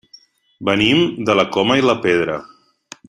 Venim de la Coma i la Pedra.